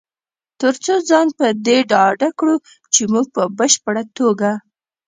تر څو ځان په دې ډاډه کړو چې مونږ په بشپړ توګه